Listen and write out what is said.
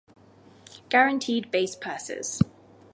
Guaranteed base purses